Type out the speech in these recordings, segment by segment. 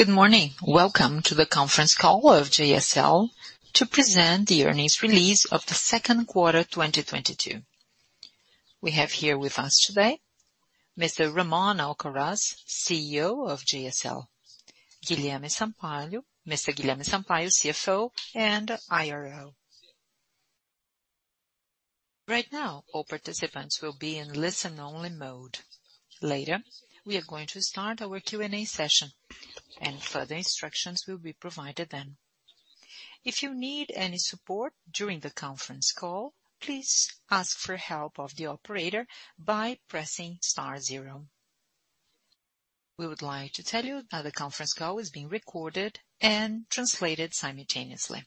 Good morning. Welcome to the conference call of JSL to present the earnings release of the second quarter, 2022. We have here with us today Mr. Ramon Alcaraz, CEO of JSL. Mr. Guilherme Sampaio, CFO and IRO. Right now, all participants will be in listen only mode. Later, we are going to start our Q&A session and further instructions will be provided then. If you need any support during the conference call, please ask for help of the operator by pressing star zero. We would like to tell you that the conference call is being recorded and translated simultaneously.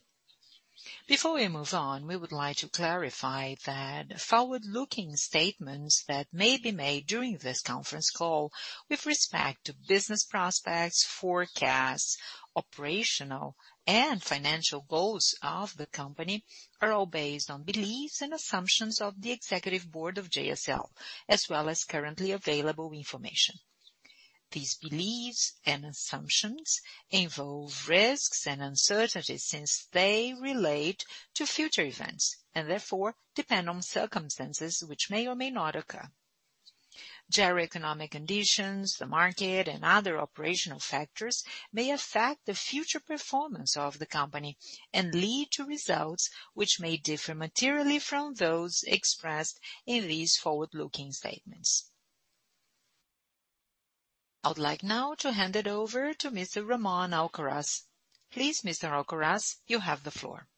Before we move on, we would like to clarify that forward-looking statements that may be made during this conference call with respect to business prospects, forecasts, operational and financial goals of the company, are all based on beliefs and assumptions of the executive board of JSL, as well as currently available information. These beliefs and assumptions involve risks and uncertainties since they relate to future events and therefore depend on circumstances which may or may not occur. General economic conditions, the market and other operational factors may affect the future performance of the company and lead to results which may differ materially from those expressed in these forward-looking statements. I would like now to hand it over to Mr. Ramon Alcaraz. Please, Mr. Alcaraz, you have the floor.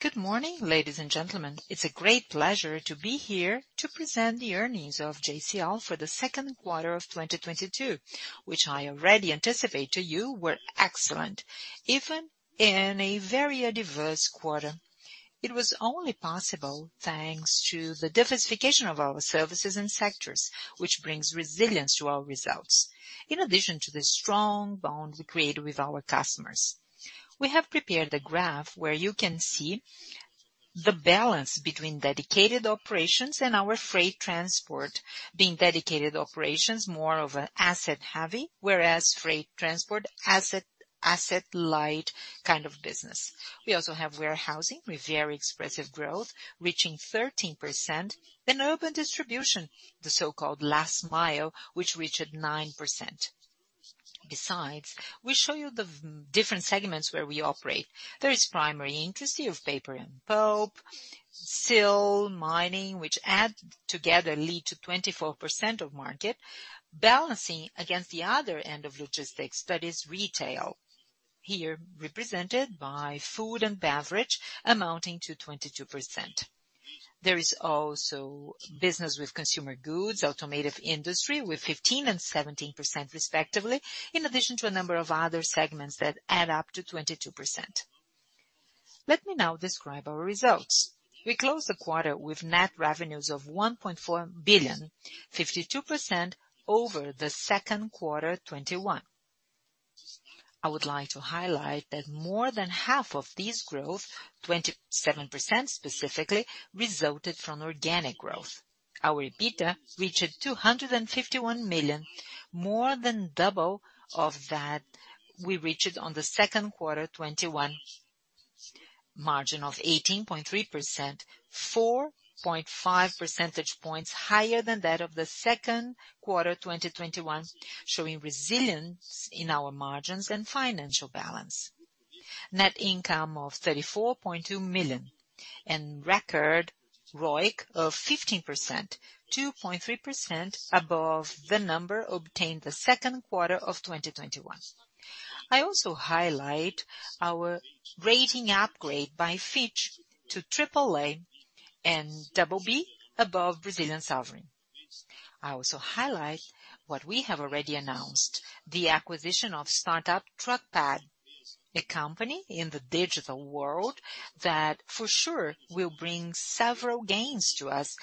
Good morning, ladies and gentlemen. It's a great pleasure to be here to present the earnings of JSL for the second quarter of 2022, which I already anticipate to you were excellent, even in a very adverse quarter. It was only possible thanks to the diversification of our services and sectors, which brings resilience to our results in addition to the strong bond we create with our customers. We have prepared a graph where you can see the balance between dedicated operations and our freight transport. Being dedicated operations more of an asset-heavy, whereas freight transport asset-light kind of business. We also have warehousing with very expressive growth, reaching 13%. Urban distribution, the so-called last mile, which reached 9%. Besides, we show you the different segments where we operate. There is primary industry of paper and pulp, steel, mining, which add together lead to 24% of market. Balancing against the other end of logistics, that is retail, here represented by food and beverage amounting to 22%. There is also business with consumer goods, automotive industry with 15% and 17% respectively, in addition to a number of other segments that add up to 22%. Let me now describe our results. We closed the quarter with net revenues of 1.4 billion, 52% over the second quarter 2021. I would like to highlight that more than half of this growth, 27% specifically, resulted from organic growth. Our EBITDA reached 251 million, more than double of that we reached on the second quarter 2021. Margin of 18.3%, 4.5 percentage points higher than that of the second quarter 2021, showing resilience in our margins and financial balance. Net income of 34.2 million and record ROIC of 15%, 2.3% above the number obtained in the second quarter of 2021. I also highlight our rating upgrade by Fitch to AAA and BB above Brazilian sovereign. I also highlight what we have already announced, the acquisition of startup Truckpad, a company in the digital world that for sure will bring several gains to us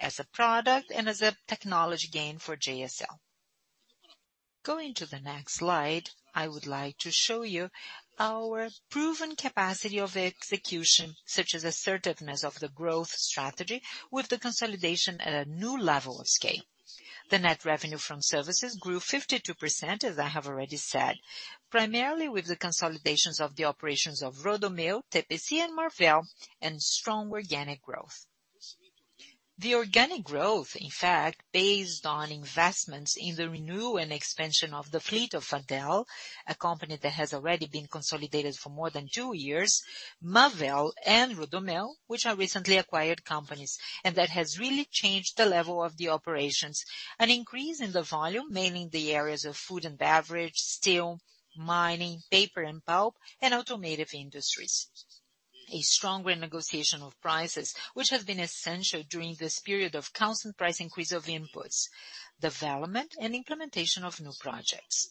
as a product and as a technology gain for JSL. Going to the next slide, I would like to show you our proven capacity of execution, such as assertiveness of the growth strategy with the consolidation at a new level of scale. The net revenue from services grew 52%, as I have already said, primarily with the consolidations of the operations of Rodomeu, TPC and Marvel and strong organic growth. The organic growth, in fact, based on investments in the renewal and expansion of the fleet of Fadel, a company that has already been consolidated for more than two years, Marvel and Rodomeu, which are recently acquired companies. That has really changed the level of the operations. An increase in the volume, mainly in the areas of food and beverage, steel, mining, paper and pulp, and automotive industries. A stronger negotiation of prices, which has been essential during this period of constant price increase of inputs, development and implementation of new projects.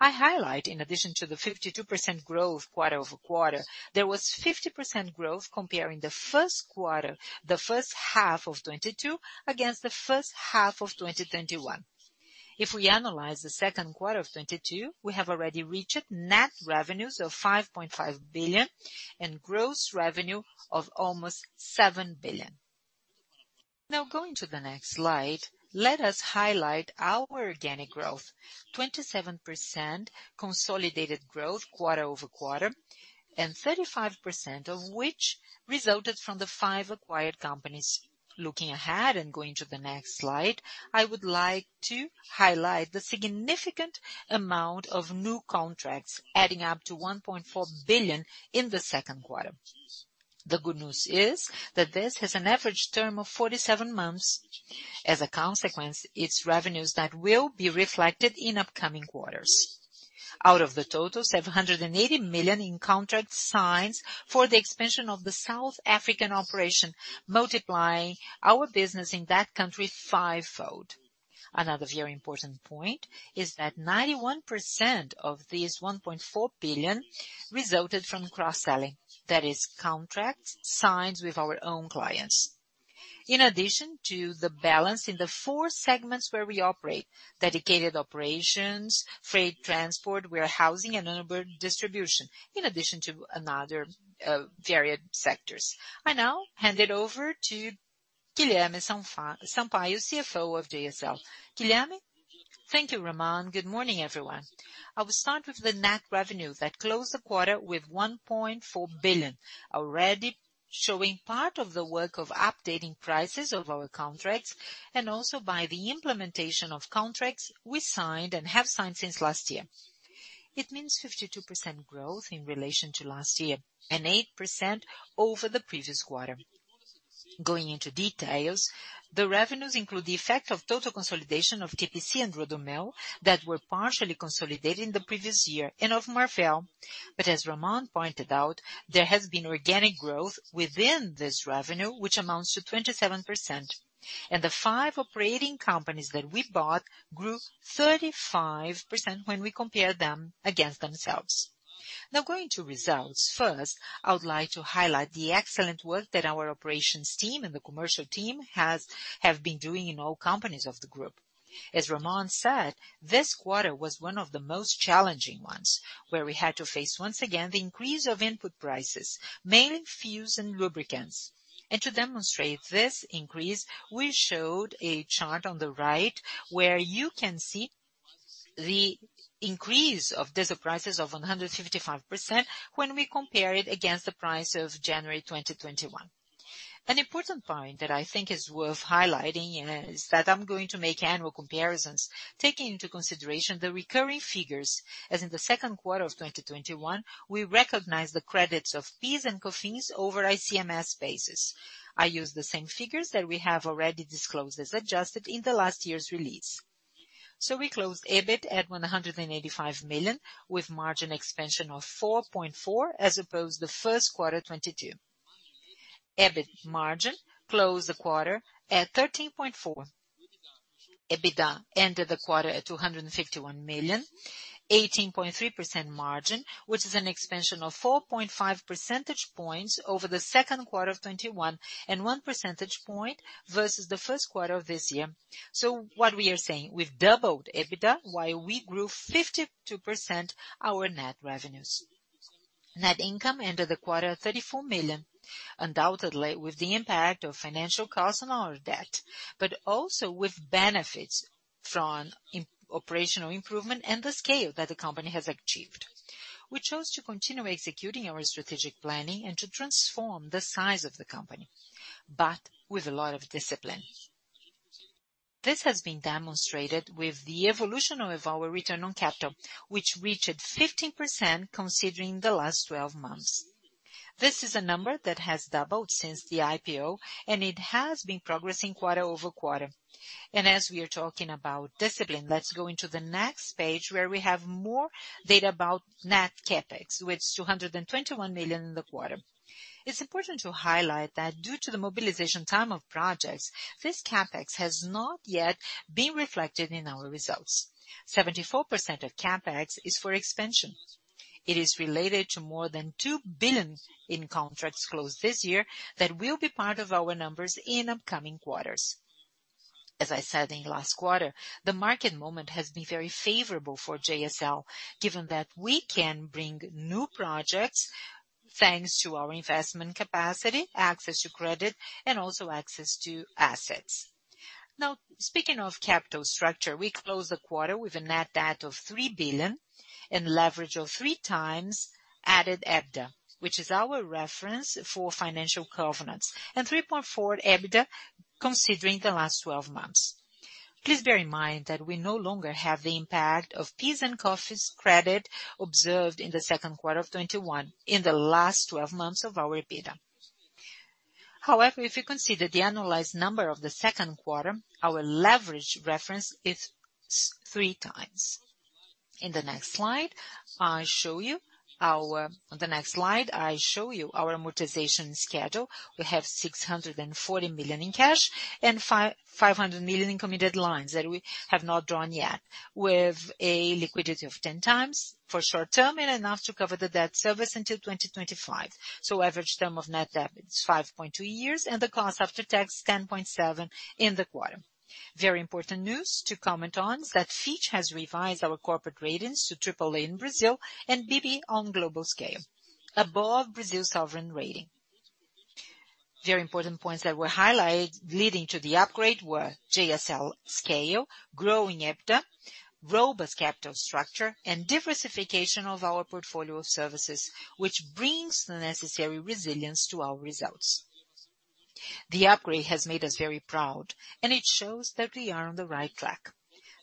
I highlight, in addition to the 52% growth quarter-over-quarter, there was 50% growth comparing the first half of 2022 against the first half of 2021. If we analyze the second quarter of 2022, we have already reached net revenues of 5.5 billion and gross revenue of almost 7 billion. Now going to the next slide, let us highlight our organic growth. 27% consolidated growth quarter-over-quarter, and 35% of which resulted from the five acquired companies. Looking ahead and going to the next slide, I would like to highlight the significant amount of new contracts adding up to 1.4 billion in the second quarter. The good news is that this has an average term of 47 months. As a consequence, its revenues that will be reflected in upcoming quarters. Out of the total 780 million in contracts signed for the expansion of the South African operation, multiplying our business in that country fivefold. Another very important point is that 91% of these 1.4 billion resulted from cross-selling. That is contracts signed with our own clients. In addition to the balance in the four segments where we operate, dedicated operations, freight transport, warehousing and urban distribution, in addition to another varied sectors. I now hand it over to Guilherme Sampaio, CFO of JSL. Guilherme. Thank you, Ramon. Good morning, everyone. I will start with the net revenue that closed the quarter with 1.4 billion, already showing part of the work of updating prices of our contracts and also by the implementation of contracts we signed and have signed since last year. It means 52% growth in relation to last year and 8% over the previous quarter. Going into details, the revenues include the effect of total consolidation of TPC and Rodomeu, that were partially consolidated in the previous year and of Marvel. As Ramon pointed out, there has been organic growth within this revenue, which amounts to 27%. The five operating companies that we bought grew 35% when we compare them against themselves. Now going to results. First, I would like to highlight the excellent work that our operations team and the commercial team have been doing in all companies of the group. As Ramon said, this quarter was one of the most challenging ones, where we had to face, once again, the increase of input prices, mainly fuels and lubricants. To demonstrate this increase, we showed a chart on the right where you can see the increase of diesel prices of 155% when we compare it against the price of January 2021. An important point that I think is worth highlighting is that I'm going to make annual comparisons, taking into consideration the recurring figures, as in the second quarter of 2021, we recognized the credits of PIS and COFINS over ICMS bases. I use the same figures that we have already disclosed as adjusted in the last year's release. We closed EBIT at 185 million, with margin expansion of 4.4% as opposed to the first quarter 2022. EBIT margin closed the quarter at 13.4%. EBITDA ended the quarter at 251 million, 18.3% margin, which is an expansion of 4.5 percentage points over the second quarter of 2021 and 1 percentage point versus the first quarter of this year. What we are saying, we've doubled EBITDA while we grew 52% our net revenues. Net income ended the quarter at 34 million. Undoubtedly, with the impact of financial costs on our debt, but also with benefits from operational improvement and the scale that the company has achieved. We chose to continue executing our strategic planning and to transform the size of the company, but with a lot of discipline. This has been demonstrated with the evolution of our return on capital, which reached 15% considering the last 12 months. This is a number that has doubled since the IPO, and it has been progressing quarter-over-quarter. As we are talking about discipline, let's go into the next page where we have more data about net CapEx, with 221 million in the quarter. It's important to highlight that due to the mobilization time of projects, this CapEx has not yet been reflected in our results. 74% of CapEx is for expansion. It is related to more than 2 billion in contracts closed this year that will be part of our numbers in upcoming quarters. As I said in last quarter, the market moment has been very favorable for JSL, given that we can bring new projects thanks to our investment capacity, access to credit, and also access to assets. Now speaking of capital structure, we closed the quarter with a net debt of 3 billion and leverage of 3x EBITDA, which is our reference for financial covenants and 3.4x EBITDA considering the last 12 months. Please bear in mind that we no longer have the impact of PIS and COFINS credit observed in the second quarter of 2021 in the last 12 months of our EBITDA. However, if you consider the annualized number of the second quarter, our leverage reference is 3x. On the next slide, I show you our amortization schedule. We have 640 million in cash and 500 million in committed lines that we have not drawn yet, with a liquidity of 10x short term and enough to cover the debt service until 2025. Average term of net debt is 5.2 years and the cost after tax, 10.7% in the quarter. Very important news to comment on is that Fitch has revised our corporate ratings to AAA in Brazil and BB on global scale, above Brazil's sovereign rating. Very important points that were highlighted leading to the upgrade were JSL scale, growing EBITDA, robust capital structure, and diversification of our portfolio of services, which brings the necessary resilience to our results. The upgrade has made us very proud, and it shows that we are on the right track.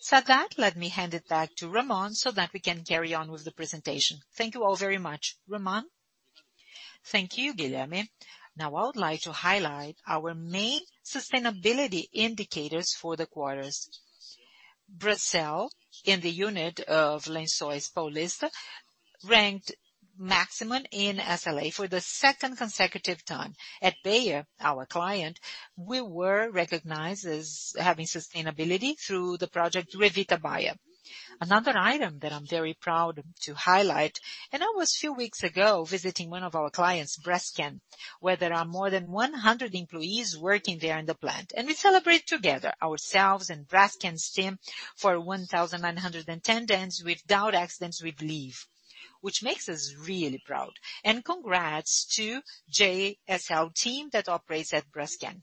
That said, let me hand it back to Ramon so that we can carry on with the presentation. Thank you all very much. Ramon. Thank you, Guilherme. Now I would like to highlight our main sustainability indicators for the quarters. Brazil, in the unit of Lençóis Paulista, ranked maximum in SLA for the second consecutive time. At Bayer, our client, we were recognized as having sustainability through the project Revita Bahia. Another item that I'm very proud to highlight, and I was few weeks ago visiting one of our clients, Braskem, where there are more than 100 employees working there in the plant. We celebrate together, ourselves and Braskem's team, for 1,910 days without accidents with leave, which makes us really proud. Congrats to JSL team that operates at Braskem.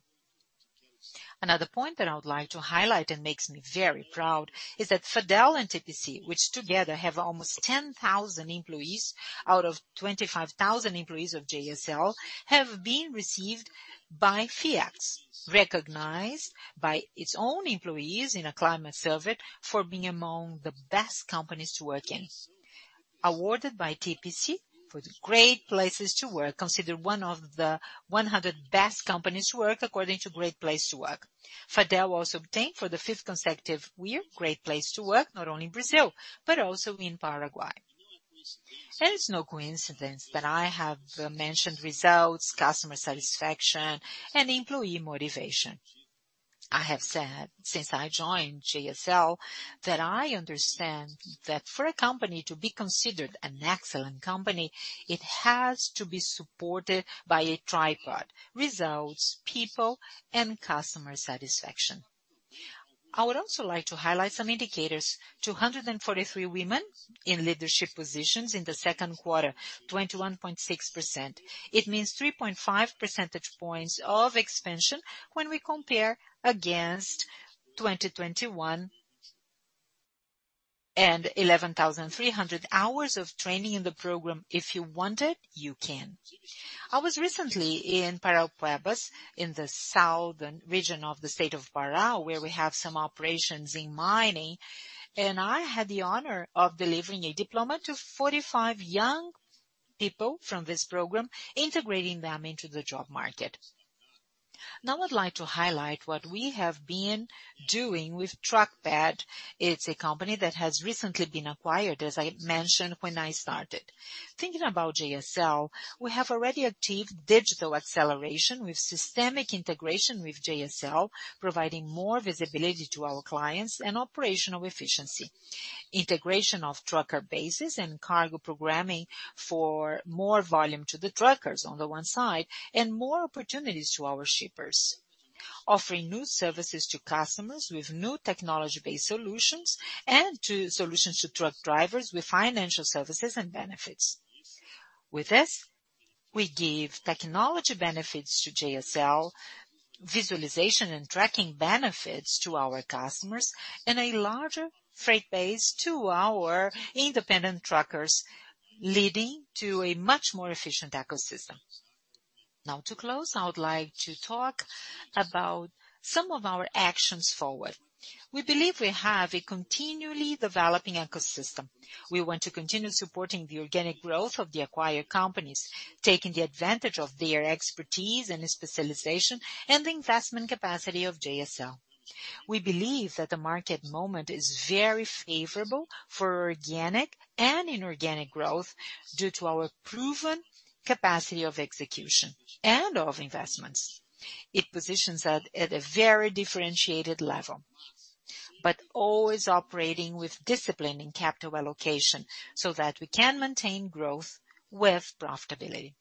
Another point that I would like to highlight and makes me very proud is that Fadel and TPC, which together have almost 10,000 employees out of 25,000 employees of JSL, have been received by Great Place to Work, recognized by its own employees in a climate survey for being among the best companies to work in. Awarded by Great Place to Work for the Great Place to Work, considered one of the 100 best companies to work according to Great Place to Work. Fadel also obtained for the fifth consecutive year, Great Place to Work, not only in Brazil, but also in Paraguay. It's no coincidence that I have mentioned results, customer satisfaction, and employee motivation. I have said since I joined JSL that I understand that for a company to be considered an excellent company, it has to be supported by a tripod, results, people, and customer satisfaction. I would also like to highlight some indicators. 243 women in leadership positions in the second quarter, 21.6%. It means 3.5 percentage points of expansion when we compare against 2021 and 11,300 hours of training in the program, if you want it, you can. I was recently in Parauapebas, in the southern region of the state of Pará, where we have some operations in mining, and I had the honor of delivering a diploma to 45 young people from this program, integrating them into the job market. Now I'd like to highlight what we have been doing with Truckpad. It's a company that has recently been acquired, as I mentioned when I started. Thinking about JSL, we have already achieved digital acceleration with systemic integration with JSL, providing more visibility to our clients and operational efficiency. Integration of trucker bases and cargo programming for more volume to the truckers on the one side and more opportunities to our shippers. Offering new services to customers with new technology-based solutions and solutions to truck drivers with financial services and benefits. With this, we give technology benefits to JSL, visualization and tracking benefits to our customers and a larger freight base to our independent truckers, leading to a much more efficient ecosystem. Now to close, I would like to talk about some of our actions going forward. We believe we have a continually developing ecosystem. We want to continue supporting the organic growth of the acquired companies, taking advantage of their expertise and specialization and the investment capacity of JSL. We believe that the market momentum is very favorable for organic and inorganic growth due to our proven capacity of execution and of investments. It positions us at a very differentiated level, but always operating with discipline in capital allocation so that we can maintain growth with profitability.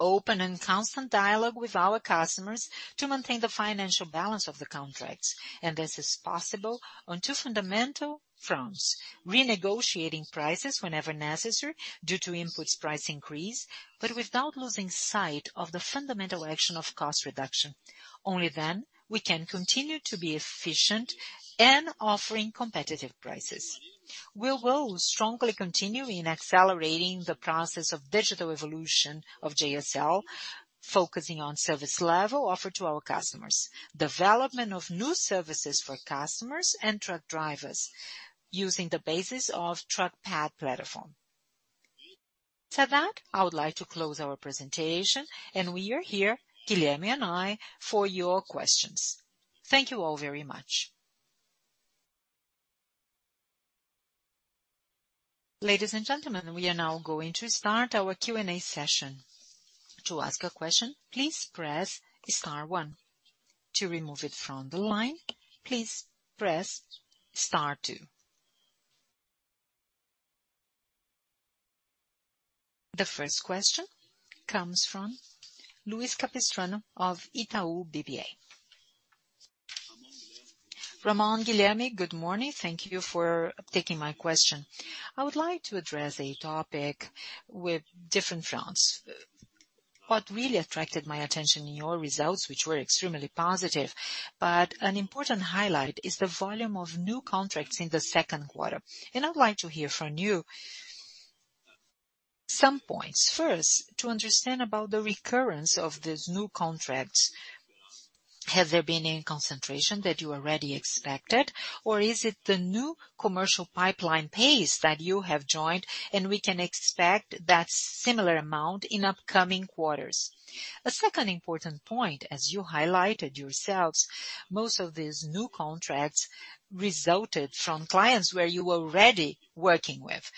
Open and constant dialogue with our customers to maintain the financial balance of the contracts, and this is possible on two fundamental fronts. Renegotiating prices whenever necessary due to input price increases, but without losing sight of the fundamental action of cost reduction. Only then we can continue to be efficient and offering competitive prices. We will strongly continue in accelerating the process of digital evolution of JSL, focusing on service level offered to our customers, development of new services for customers and truck drivers using the basis of Truckpad platform. That said, I would like to close our presentation, and we are here, Guilherme Sampaio and I, for your questions. Thank you all very much. Ladies and gentlemen, we are now going to start our Q&A session. To ask a question, please press star one. To remove it from the line, please press star two. The first question comes from Luiz Capistrano of Itaú BBA. Ramon, Guilherme. Good morning. Thank you for taking my question. I would like to address a topic with different fronts. What really attracted my attention in your results, which were extremely positive, but an important highlight is the volume of new contracts in the second quarter. I'd like to hear from you some points. First, to understand about the recurrence of these new contracts. Has there been any concentration that you already expected, or is it the new commercial pipeline pace that you have joined and we can expect that similar amount in upcoming quarters? A second important point, as you highlighted yourselves, most of these new contracts resulted from clients where you were already working with.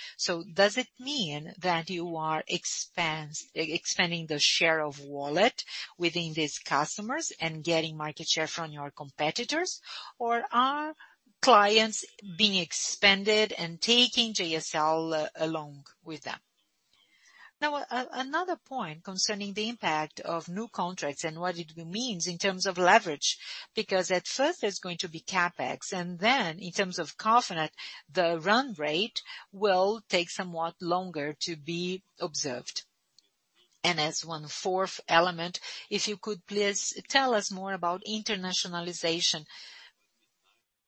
Does it mean that you are expanding the share of wallet within these customers and getting market share from your competitors, or are clients being expanded and taking JSL along with them? Now, another point concerning the impact of new contracts and what it means in terms of leverage, because at first there's going to be CapEx, and then in terms of covenant, the run rate will take somewhat longer to be observed. As a fourth element, if you could please tell us more about internationalization.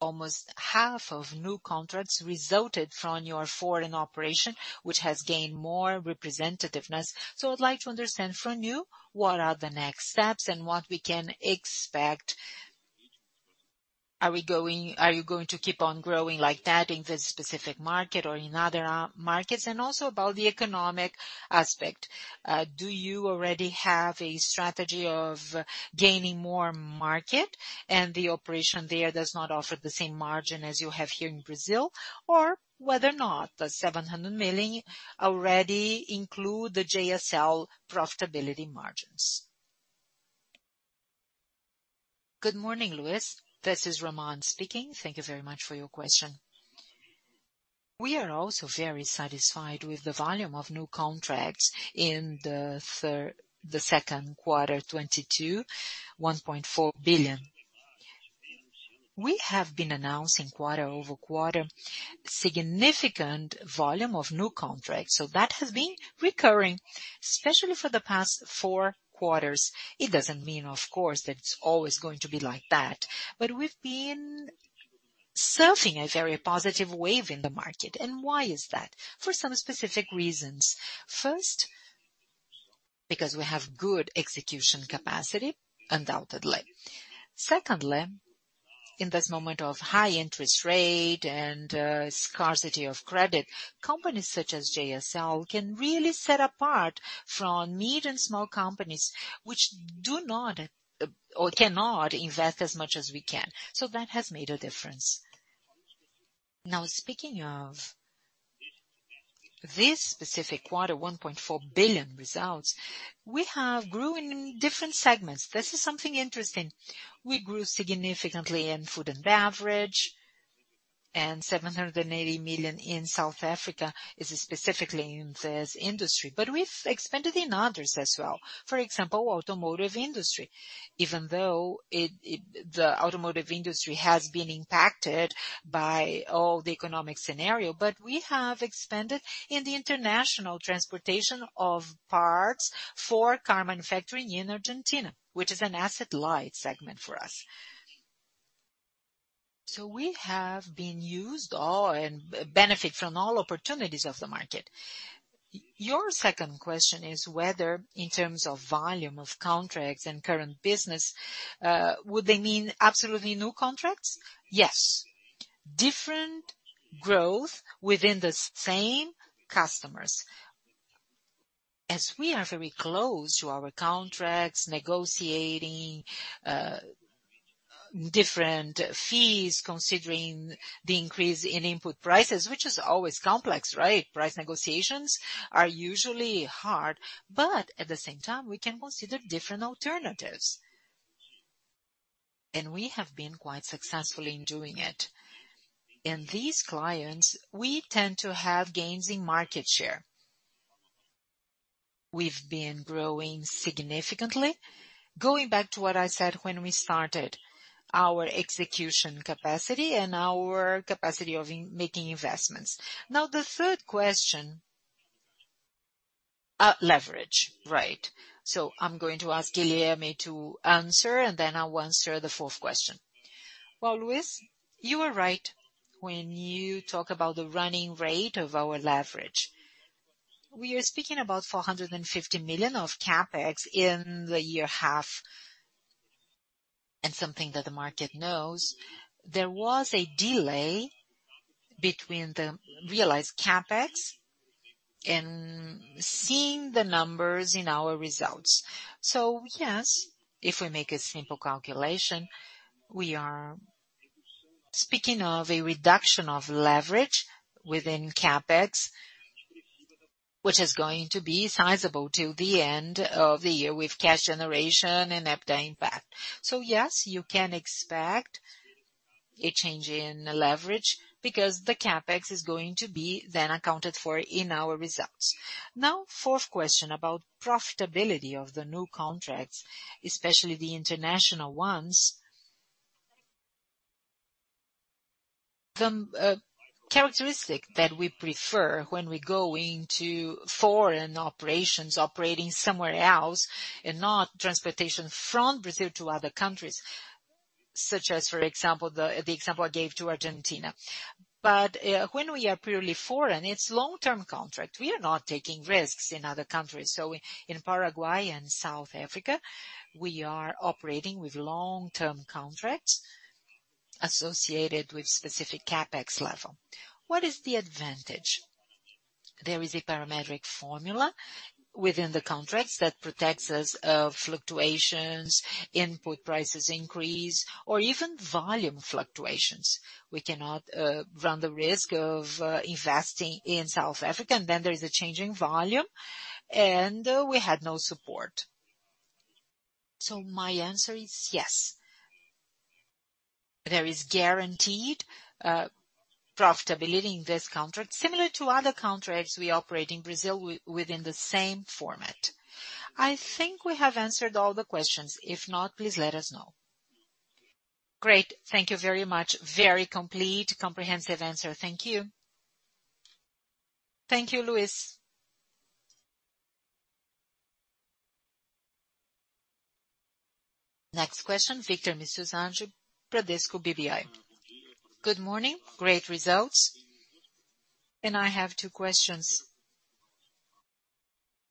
Almost half of new contracts resulted from your foreign operation, which has gained more representativeness. I'd like to understand from you what are the next steps and what we can expect. Are you going to keep on growing like that in this specific market or in other markets? Also about the economic aspect, do you already have a strategy of gaining more market and the operation there does not offer the same margin as you have here in Brazil or whether or not the 700 million already include the JSL profitability margins. Good morning, Luiz. This is Ramon speaking. Thank you very much for your question. We are also very satisfied with the volume of new contracts in the second quarter 2022, 1.4 billion. We have been announcing quarter-over-quarter significant volume of new contracts. That has been recurring especially for the past four quarters. It doesn't mean, of course, that it's always going to be like that, but we've been surfing a very positive wave in the market. Why is that? For some specific reasons. First, because we have good execution capacity, undoubtedly. Secondly, in this moment of high interest rate and scarcity of credit, companies such as JSL can really set apart from medium small companies which do not or cannot invest as much as we can. So that has made a difference. Now, speaking of this specific quarter, 1.4 billion results, we have grew in different segments. This is something interesting. We grew significantly in food and beverage, and 780 million in South Africa is specifically in this industry, but we've expanded in others as well. For example, automotive industry. Even though the automotive industry has been impacted by all the economic scenario, but we have expanded in the international transportation of parts for car manufacturing in Argentina, which is an Asset Light segment for us. We have been using all and benefiting from all opportunities of the market. Your second question is whether, in terms of volume of contracts and current business, would that mean absolutely new contracts? Yes. Different growth within the same customers. As we are very close to our customers, negotiating different fees, considering the increase in input prices, which is always complex, right? Price negotiations are usually hard, but at the same time we can consider different alternatives. We have been quite successful in doing it. In these clients, we tend to have gains in market share. We've been growing significantly. Going back to what I said when we started, our execution capacity and our capacity of making investments. Now, the third question, leverage, right. I'm going to ask Guilherme to answer, and then I'll answer the fourth question. Well, Luiz, you are right when you talk about the run rate of our leverage. We are speaking about 450 million of CapEx in the year half and something that the market knows. There was a delay between the realized CapEx and seeing the numbers in our results. Yes, if we make a simple calculation, we are speaking of a reduction of leverage within CapEx, which is going to be sizable till the end of the year with cash generation and EBITDA impact. Yes, you can expect a change in leverage because the CapEx is going to be then accounted for in our results. Now, fourth question about profitability of the new contracts, especially the international ones. Characteristic that we prefer when we go into foreign operations, operating somewhere else and not transportation from Brazil to other countries, such as, for example, the example I gave to Argentina. When we are purely foreign, it's long-term contract. We are not taking risks in other countries. In Paraguay and South Africa, we are operating with long-term contracts associated with specific CapEx level. What is the advantage? There is a parametric formula within the contracts that protects us from fluctuations, input prices increase, or even volume fluctuations. We cannot run the risk of investing in South Africa, and then there is a change in volume, and we had no support. My answer is yes. There is guaranteed profitability in this contract, similar to other contracts we operate in Brazil within the same format. I think we have answered all the questions. If not, please let us know. Great. Thank you very much. Very complete, comprehensive answer. Thank you. Thank you, Luiz. Next question, Victor Mizusaki, Bradesco BBI. Good morning. Great results. I have two questions.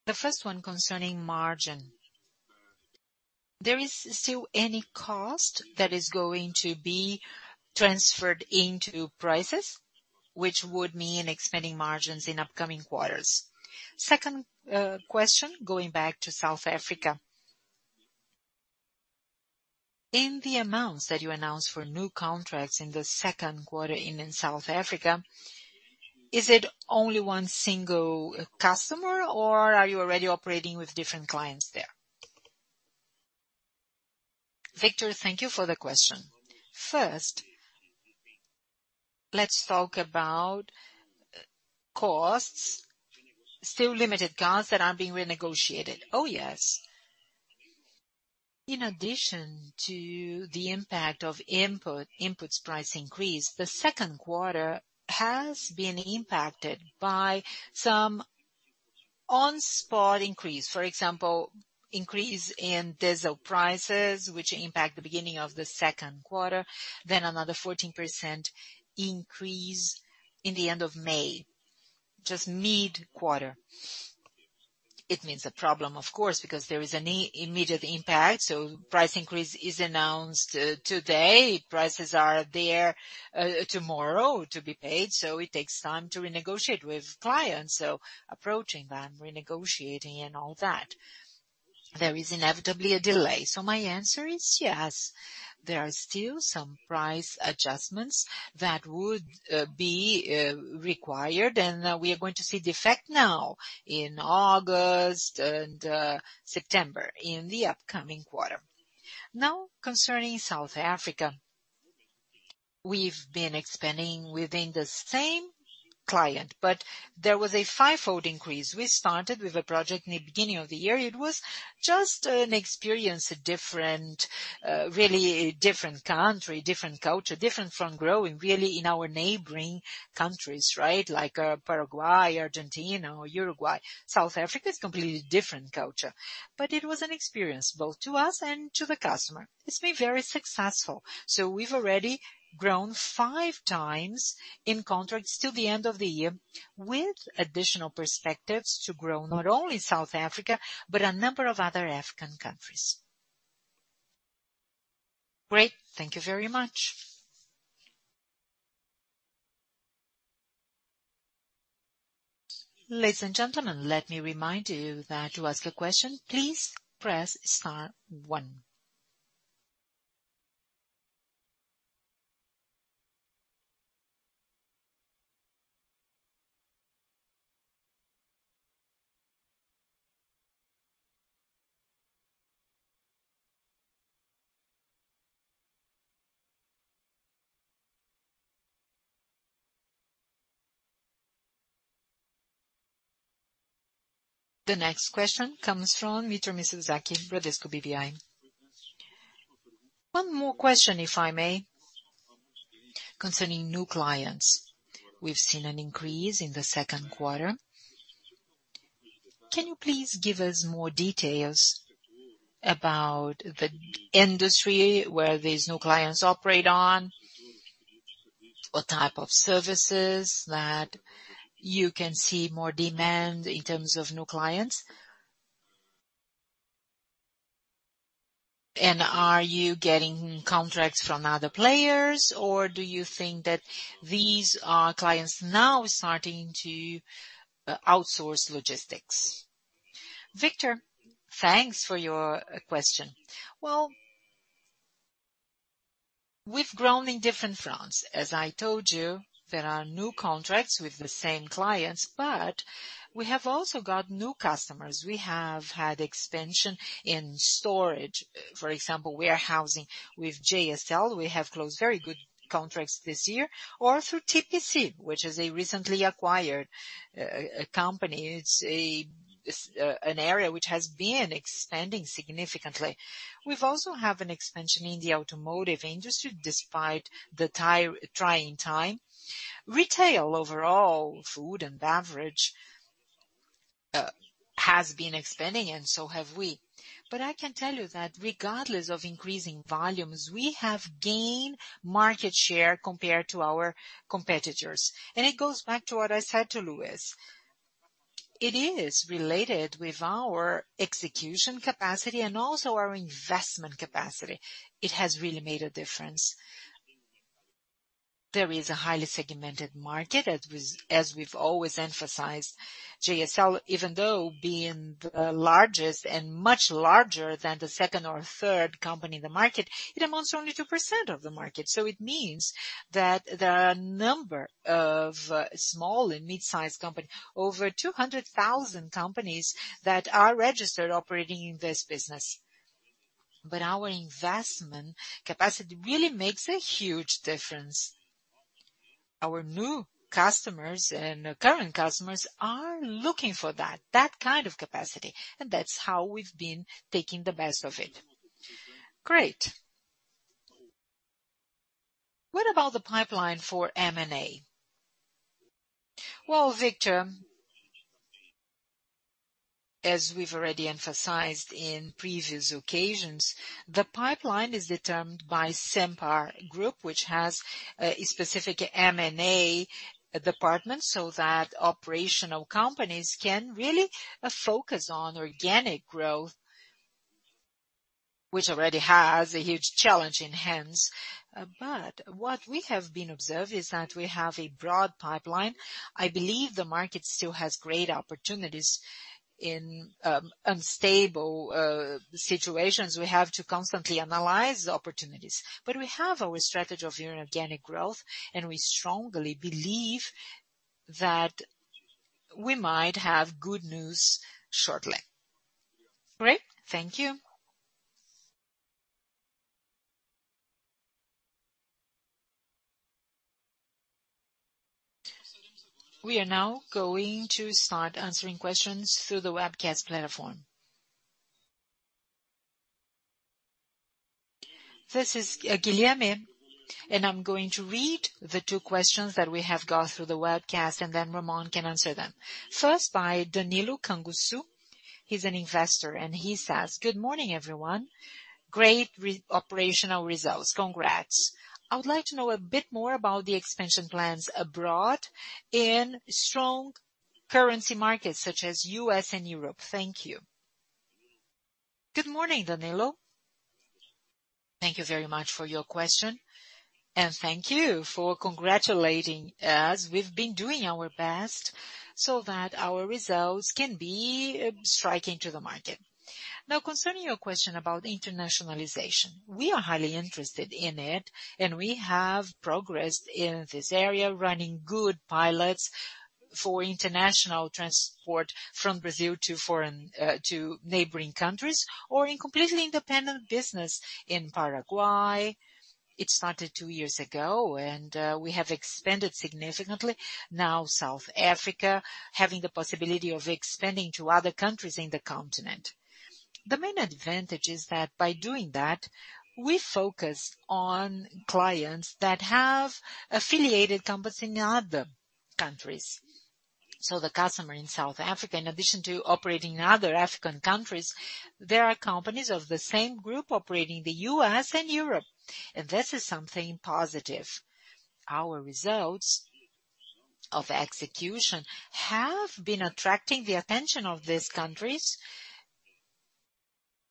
The first one concerning margin. There is still any cost that is going to be transferred into prices, which would mean expanding margins in upcoming quarters. Second, question, going back to South Africa. In the amounts that you announced for new contracts in the second quarter and in South Africa, is it only one single customer or are you already operating with different clients there? Victor, thank you for the question. First, let's talk about costs, still limited costs that are being renegotiated. Oh, yes. In addition to the impact of inputs price increase, the second quarter has been impacted by some spot increase. For example, increase in diesel prices, which impact the beginning of the second quarter, then another 14% increase at the end of May, just mid-quarter. It means a problem, of course, because there is an immediate impact. Price increase is announced today. Prices are there tomorrow to be paid, so it takes time to renegotiate with clients. Approaching them, renegotiating and all that. There is inevitably a delay. My answer is yes. There are still some price adjustments that would be required, and we are going to see the effect now in August and September in the upcoming quarter. Now, concerning South Africa, we've been expanding within the same client, but there was a fivefold increase. We started with a project in the beginning of the year. It was just an experience, a different, really different country, different culture, different from growing really in our neighboring countries, right? Like, Paraguay, Argentina or Uruguay. South Africa is completely different culture. It was an experience, both to us and to the customer. It's been very successful. We've already grown five times in contracts till the end of the year with additional perspectives to grow, not only South Africa, but a number of other African countries. Great. Thank you very much. Ladies and gentlemen, let me remind you that to ask a question, please press star one. The next question comes from Victor Mizusaki, Bradesco BBI. One more question, if I may, concerning new clients. We've seen an increase in the second quarter. Can you please give us more details about the industry where these new clients operate on? What type of services that you can see more demand in terms of new clients? And are you getting contracts from other players, or do you think that these are clients now starting to outsource logistics? Victor, thanks for your question. Well, we've grown in different fronts. As I told you, there are new contracts with the same clients, but we have also got new customers. We have had expansion in storage. For example, warehousing with JSL. We have closed very good contracts this year, or through TPC, which is a recently acquired company. It's an area which has been expanding significantly. We've also have an expansion in the automotive industry despite the trying time. Retail overall, food and beverage, has been expanding and so have we. I can tell you that regardless of increasing volumes, we have gained market share compared to our competitors. It goes back to what I said to Luiz. It is related with our execution capacity and also our investment capacity. It has really made a difference. There is a highly segmented market, as we've always emphasized. JSL, even though being the largest and much larger than the second or third company in the market, it amounts to only 2% of the market. It means that there are a number of small and mid-sized company, over 200,000 companies that are registered operating in this business. Our investment capacity really makes a huge difference. Our new customers and current customers are looking for that kind of capacity, and that's how we've been taking the best of it. Great. What about the pipeline for M&A? Well, Victor, as we've already emphasized in previous occasions, the pipeline is determined by Simpar Group, which has a specific M&A department so that operational companies can really focus on organic growth, which already has a huge challenge in hands. What we have observed is that we have a broad pipeline. I believe the market still has great opportunities. In unstable situations, we have to constantly analyze the opportunities. We have our strategy of organic growth, and we strongly believe that we might have good news shortly. Great. Thank you. We are now going to start answering questions through the webcast platform. This is Guilherme, and I'm going to read the two questions that we have got through the webcast, and then Ramon can answer them. First, by Danilo Canguçu. He's an investor, and he says, "Good morning, everyone. Great operational results. Congrats. I would like to know a bit more about the expansion plans abroad in strong currency markets such as U.S. and Europe. Thank you." Good morning, Danilo. Thank you very much for your question. Thank you for congratulating us. We've been doing our best so that our results can be striking to the market. Now, concerning your question about internationalization, we are highly interested in it, and we have progressed in this area, running good pilots for international transport from Brazil to foreign, to neighboring countries or in completely independent business in Paraguay. It started two years ago, and, we have expanded significantly. Now, South Africa, having the possibility of expanding to other countries in the continent. The main advantage is that by doing that, we focus on clients that have affiliated companies in other countries. The customer in South Africa, in addition to operating in other African countries, there are companies of the same group operating in the U.S. and Europe. This is something positive. Our results of execution have been attracting the attention of these countries.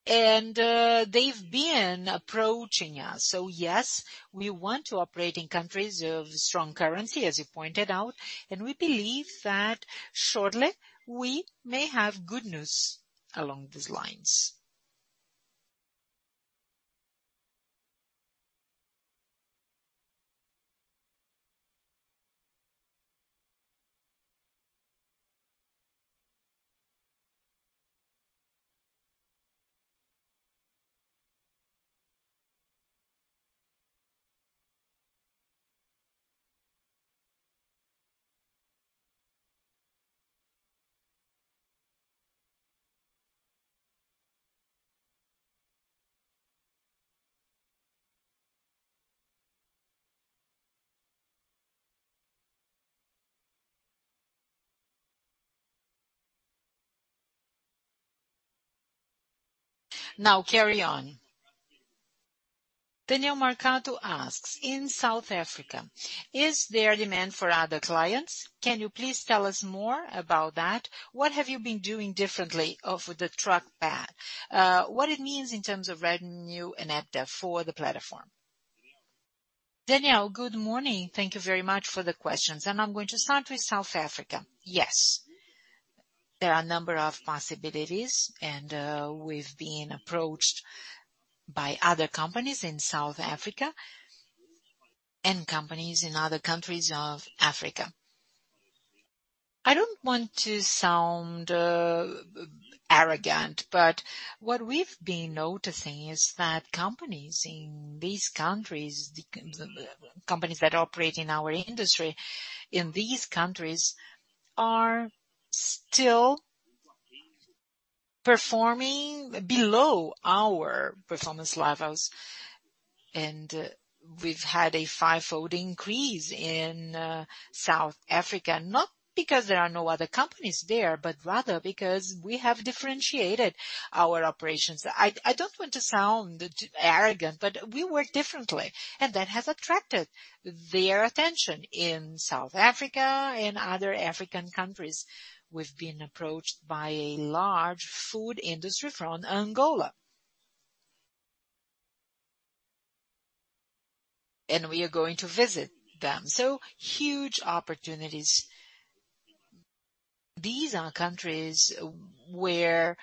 They've been approaching us. Yes, we want to operate in countries of strong currency, as you pointed out, and we believe that shortly we may have good news along these lines. Now, carry on. Daniel Marcato asks, "In South Africa, is there demand for other clients? Can you please tell us more about that? What have you been doing differently off of the Truckpad? What it means in terms of revenue and EBITDA for the platform." Daniel, good morning. Thank you very much for the questions. I'm going to start with South Africa. Yes. There are a number of possibilities, and we've been approached by other companies in South Africa and companies in other countries of Africa. I don't want to sound arrogant, but what we've been noticing is that companies in these countries, the companies that operate in our industry in these countries are still performing below our performance levels. We've had a five-fold increase in South Africa, not because there are no other companies there, but rather because we have differentiated our operations. I don't want to sound arrogant, but we work differently, and that has attracted their attention in South Africa and other African countries. We've been approached by a large food industry from Angola. We are going to visit them. Huge opportunities. These are countries where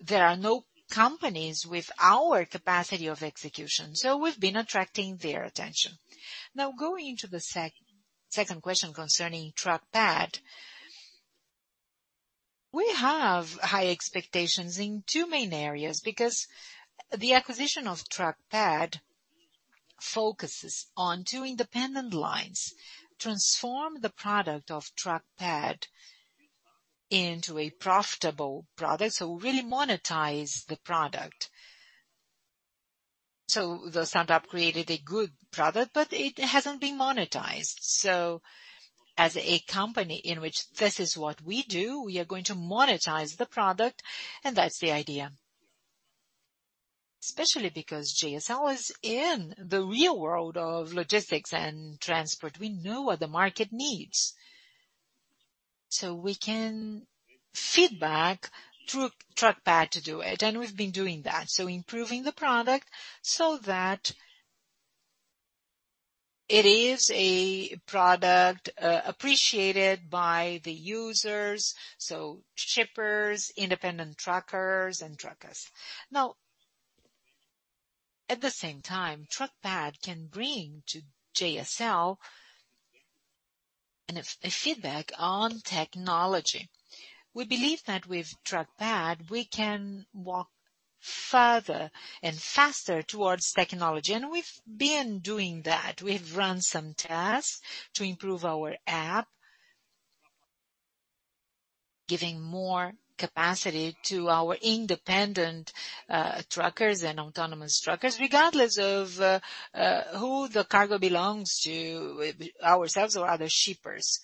there are no companies with our capacity of execution, so we've been attracting their attention. Now, going into the second question concerning Truckpad. We have high expectations in two main areas because the acquisition of Truckpad focuses on two independent lines, transform the product of Truckpad into a profitable product, so really monetize the product. The startup created a good product, but it hasn't been monetized. As a company in which this is what we do, we are going to monetize the product, and that's the idea. Especially because JSL is in the real world of logistics and transport. We know what the market needs. We can feed back through Truckpad to do it. We've been doing that. Improving the product so that it is a product appreciated by the users, so shippers, independent truckers and truckers. Now, at the same time, Truckpad can bring to JSL a feedback on technology. We believe that with Truckpad, we can walk further and faster towards technology. We've been doing that. We've run some tests to improve our app. Giving more capacity to our independent truckers and autonomous truckers, regardless of who the cargo belongs to, ourselves or other shippers.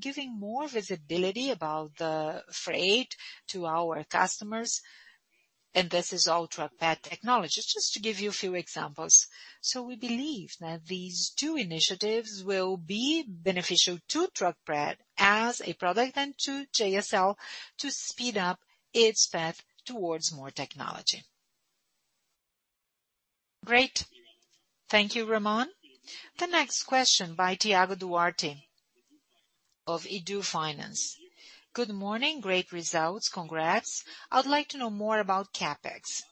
Giving more visibility about the freight to our customers. This is all Truckpad technology. Just to give you a few examples. We believe that these two initiatives will be beneficial to Truckpad as a product and to JSL to speed up its path towards more technology. Great. Thank you, Ramon. The next question by Thiago Duarte of BTG Pactual. Good morning. Great results. Congrats. I would like to know more about CapEx.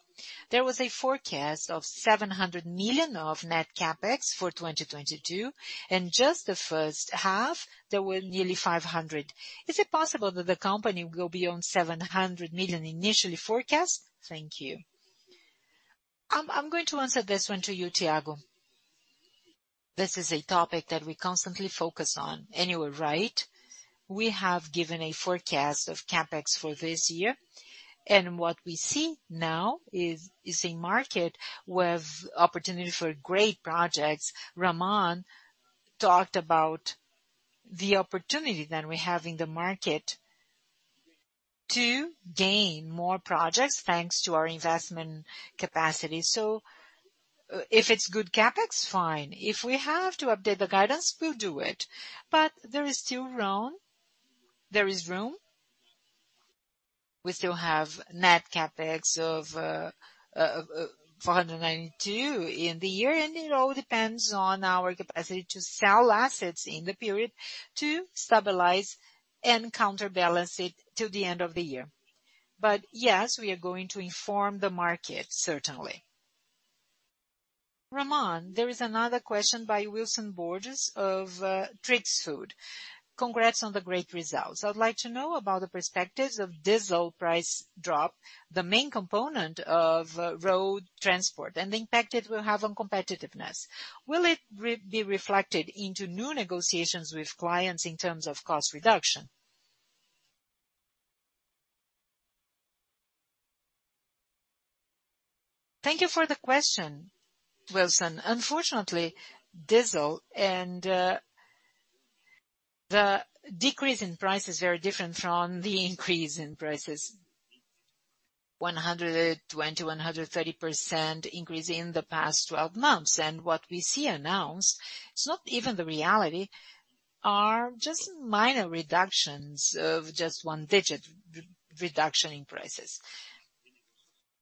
There was a forecast of 700 million of net CapEx for 2022, and just the first half, there were nearly 500 million. Is it possible that the company will go beyond 700 million initially forecast? Thank you. I'm going to answer this one to you, Thiago. This is a topic that we constantly focus on. You are right, we have given a forecast of CapEx for this year. What we see now is a market with opportunity for great projects. Ramon talked about the opportunity that we have in the market to gain more projects, thanks to our investment capacity. If it's good CapEx, fine. If we have to update the guidance, we'll do it. There is still room. There is room. We still have net CapEx of 492 in the year, and it all depends on our capacity to sell assets in the period to stabilize and counterbalance it till the end of the year. Yes, we are going to inform the market, certainly. Ramon, there is another question by Wilson Borges of XP. Congrats on the great results. I would like to know about the perspectives of diesel price drop, the main component of road transport, and the impact it will have on competitiveness. Will it be reflected into new negotiations with clients in terms of cost reduction? Thank you for the question, Wilson. Unfortunately, diesel and the decrease in price is very different from the increase in prices. 120%-130% increase in the past 12 months. What we see announced, it's not even the reality; they are just minor reductions of just one-digit reduction in prices.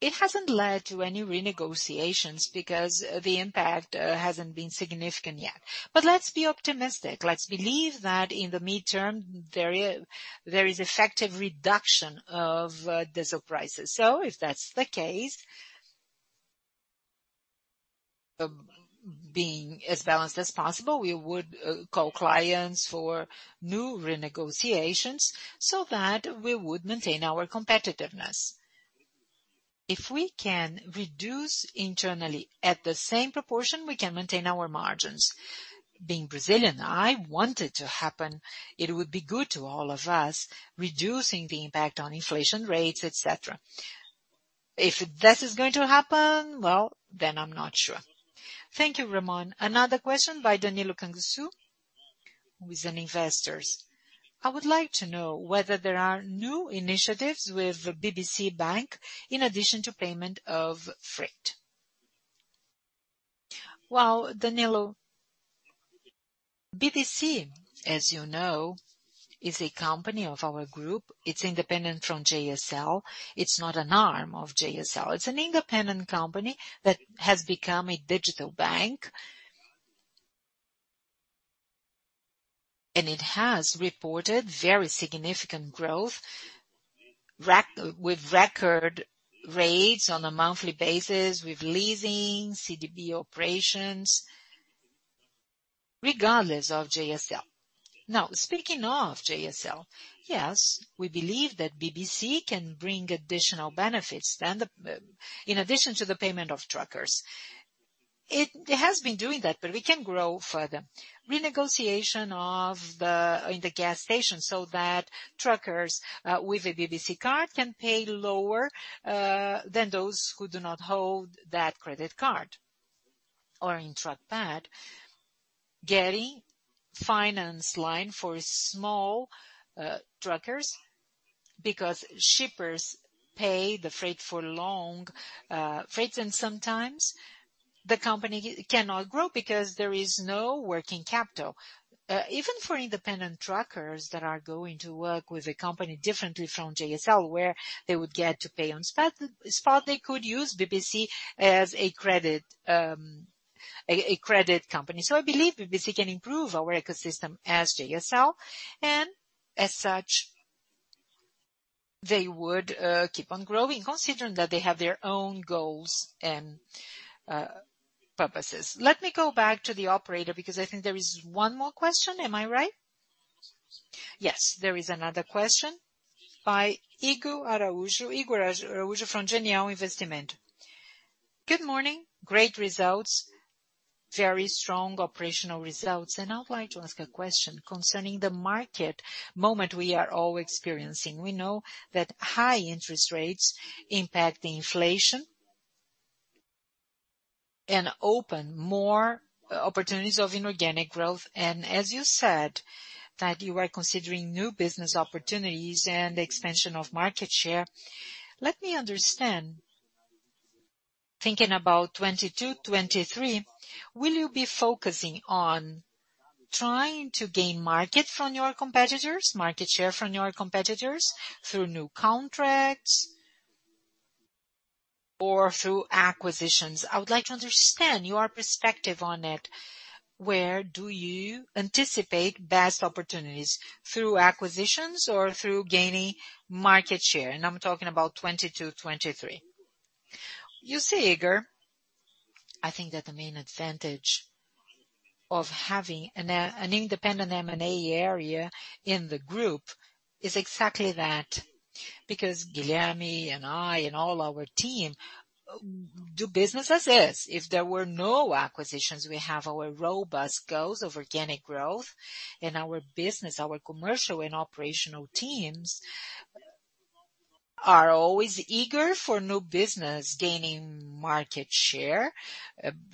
It hasn't led to any renegotiations because the impact hasn't been significant yet. But let's be optimistic. Let's believe that in the medium term, there is effective reduction of diesel prices. If that's the case, being as balanced as possible, we would call clients for new renegotiations so that we would maintain our competitiveness. If we can reduce internally at the same proportion, we can maintain our margins. Being Brazilian, I want it to happen. It would be good to all of us, reducing the impact on inflation rates, et cetera. If this is going to happen, well, then I'm not sure. Thank you, Ramon. Another question by Danilo Canguçu. I would like to know whether there are new initiatives with BBC Bank in addition to payment of freight. Well, Danilo, BBC, as you know, is a company of our group. It's independent from JSL. It's not an arm of JSL. It's an independent company that has become a digital bank. It has reported very significant growth with record rates on a monthly basis with leasing CDB operations, regardless of JSL. Now, speaking of JSL, yes, we believe that BBC can bring additional benefits in addition to the payment of truckers. It has been doing that, but we can grow further. Renegotiation in the gas station so that truckers with a BBC card can pay lower than those who do not hold that credit card or in Truckpad. Getting finance line for small truckers because shippers pay the freight for long freights, and sometimes the company cannot grow because there is no working capital. Even for independent truckers that are going to work with a company differently from JSL, where they would get to pay on spot, they could use BBC as a credit company. I believe BBC can improve our ecosystem as JSL, and as such, they would keep on growing, considering that they have their own goals and purposes. Let me go back to the operator because I think there is one more question. Am I right? Yes, there is another question by Ygor Araújo. Ygor Araújo from Genial Investimentos. Good morning. Great results. Very strong operational results. I would like to ask a question concerning the market moment we are all experiencing. We know that high interest rates impact the inflation and open more opportunities of inorganic growth. As you said, that you are considering new business opportunities and expansion of market share. Let me understand. Thinking about 2022, 2023, will you be focusing on trying to gain market from your competitors, market share from your competitors through new contracts or through acquisitions? I would like to understand your perspective on it. Where do you anticipate best opportunities? Through acquisitions or through gaining market share? I'm talking about 2022, 2023. You see, Ygor, I think that the main advantage of having an independent M&A area in the group is exactly that, because Guilherme and I and all our team do business as is. If there were no acquisitions, we have our robust goals of organic growth in our business, our commercial and operational teams are always eager for new business, gaining market share,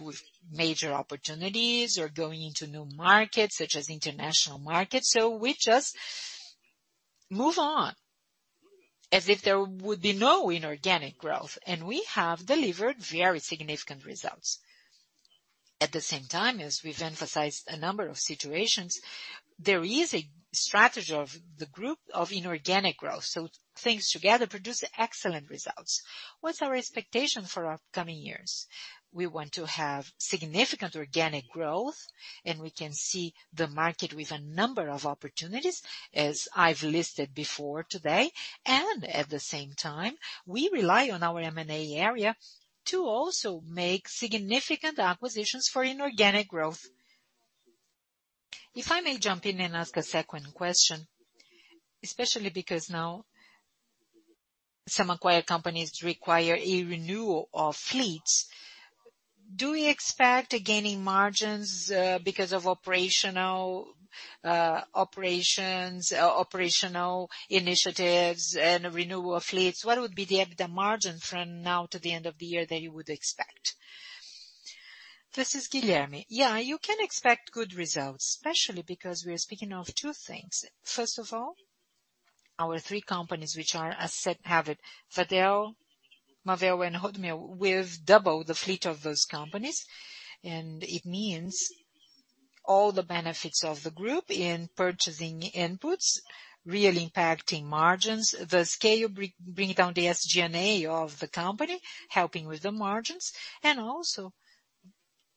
with major opportunities or going into new markets such as international markets. We just move on as if there would be no inorganic growth, and we have delivered very significant results. At the same time, as we've emphasized a number of situations, there is a strategy of the group of inorganic growth, so things together produce excellent results. What's our expectation for upcoming years? We want to have significant organic growth, and we can see the market with a number of opportunities, as I've listed before today. At the same time, we rely on our M&A area to also make significant acquisitions for inorganic growth. If I may jump in and ask a second question, especially because now some acquired companies require a renewal of fleets. Do we expect a gaining margins, because of operational, operations or operational initiatives and renewal of fleets? What would be the margin from now to the end of the year that you would expect? This is Guilherme. Yeah, you can expect good results, especially because we are speaking of two things. First of all, our three companies, which are as said, Fadel, Marvel and Rodomeu, we've doubled the fleet of those companies, and it means all the benefits of the group in purchasing inputs, really impacting margins. The scale bringing down the SG&A of the company, helping with the margins and also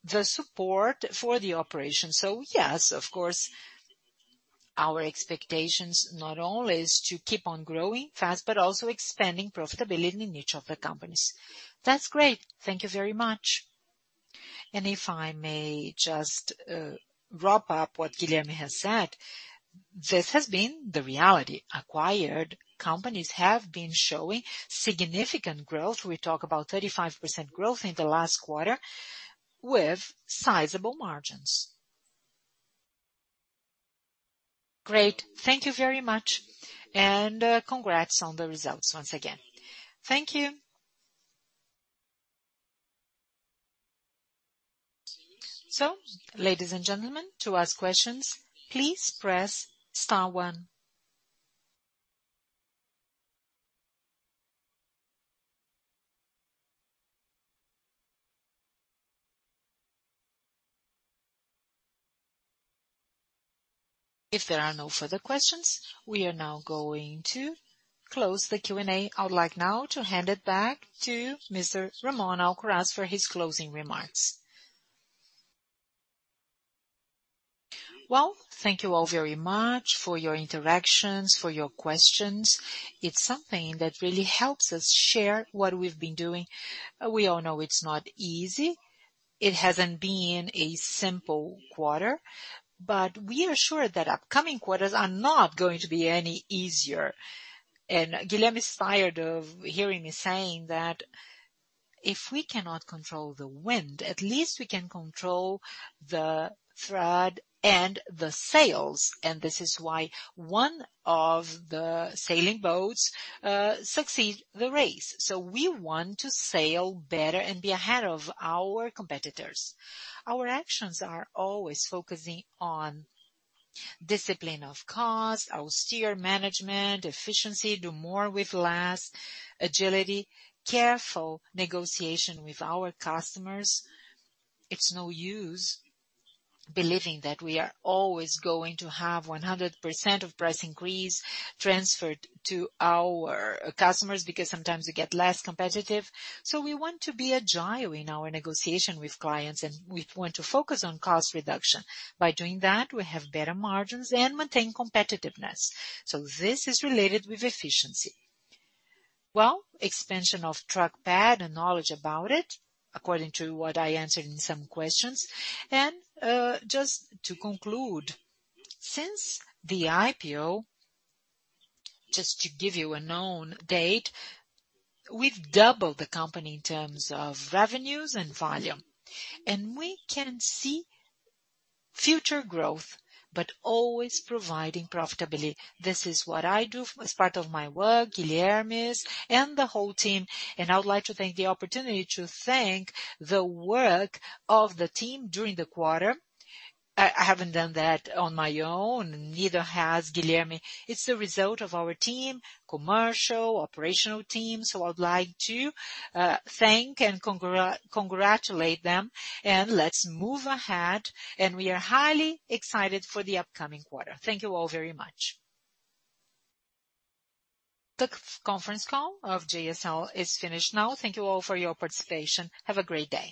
the support for the operation. Yes, of course, our expectations not only is to keep on growing fast, but also expanding profitability in each of the companies. That's great. Thank you very much. If I may just wrap up what Guilherme has said. This has been the reality. Acquired companies have been showing significant growth. We talk about 35% growth in the last quarter with sizable margins. Great. Thank you very much. Congrats on the results once again. Thank you. Ladies and gentlemen, to ask questions, please press star one. If there are no further questions, we are now going to close the Q&A. I'd like now to hand it back to Mr. Ramon Alcaraz for his closing remarks. Well, thank you all very much for your interactions, for your questions. It's something that really helps us share what we've been doing. We all know it's not easy. It hasn't been a simple quarter, but we are sure that upcoming quarters are not going to be any easier. Guilherme is tired of hearing me saying that if we cannot control the wind, at least we can control the thread and the sails. This is why one of the sailing boats succeeds in the race. We want to sail better and be ahead of our competitors. Our actions are always focusing on discipline of cost, austere management, efficiency, do more with less, agility, careful negotiation with our customers. It's no use believing that we are always going to have 100% of price increase transferred to our customers because sometimes we get less competitive. We want to be agile in our negotiation with clients, and we want to focus on cost reduction. By doing that, we have better margins and maintain competitiveness. This is related with efficiency. Well, expansion of Truckpad and knowledge about it, according to what I answered in some questions. Just to conclude, since the IPO, just to give you a known date, we've doubled the company in terms of revenues and volume. We can see future growth but always providing profitability. This is what I do as part of my work, Guilherme is, and the whole team. I would like to take the opportunity to thank the work of the team during the quarter. I haven't done that on my own, neither has Guilherme. It's the result of our team, commercial, operational teams, so I'd like to thank and congratulate them. Let's move ahead, and we are highly excited for the upcoming quarter. Thank you all very much. The conference call of JSL is finished now. Thank you all for your participation. Have a great day.